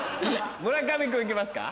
村上君行きますか？